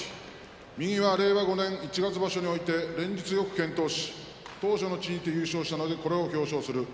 右は令和５年一月場所において連日よく健闘し頭書の地位にて優勝したのでこれを表彰する。